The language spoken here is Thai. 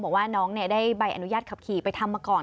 บอกว่าน้องได้ใบอนุญาตขับขี่ไปทำมาก่อน